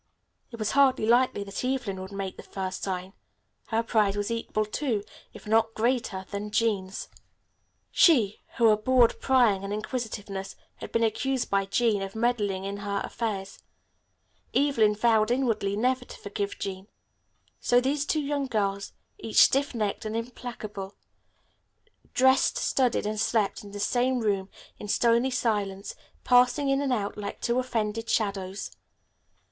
It was hardly likely that Evelyn would make the first sign. Her pride was equal to, if not greater, than Jean's. She, who abhorred prying and inquisitiveness, had been accused by Jean of meddling in her affairs. Evelyn vowed inwardly never to forgive Jean. So these two young girls, each stiff necked and implacable, dressed, studied and slept in the same room in stony silence, passing in and out like two offended shadows.